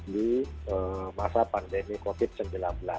di masa pandemi covid sembilan belas